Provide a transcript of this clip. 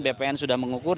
bpn sudah mengukur